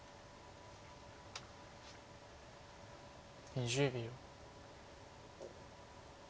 ２０秒。